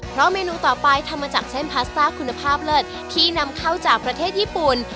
เพราะเมนูต่อไปทำมาจากเส้นพาสต้าคุณภาพเลิศที่นำเข้าจากประเทศญี่ปุ่น